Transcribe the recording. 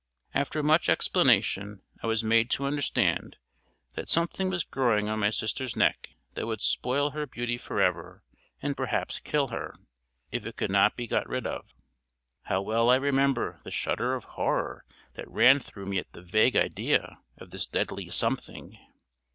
After much explanation, I was made to understand that "something was growing on my sister's neck that would spoil her beauty forever, and perhaps kill her, if it could not be got rid of." How well I remember the shudder of horror that ran through me at the vague idea of this deadly "something"!